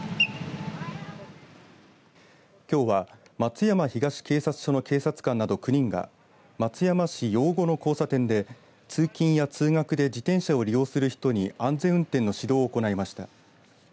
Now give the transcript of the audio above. きょうは松山東警察署の警察官など９人が松山市余戸の交差点で通勤や通学で自転車を利用する人に安全運転の指導を行いました。